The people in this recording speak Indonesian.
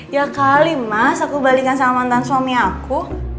ya kali mas aku balikan sama mantan suami aku